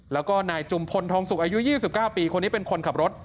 แล้วก็นายจุมพลทองสุกอายุ๒๙ปีคนนี้เป็นคนขับรถ